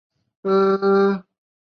于兹为下邳相笮融部下。